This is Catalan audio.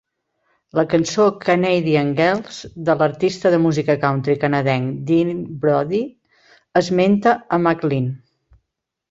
La cançó "Canadian Girls" de l'artista de música country canadenc Dean Brody esmenta a MacLean.